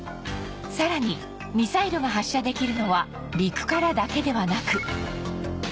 さらにミサイルが発射できるのは陸からだけではなく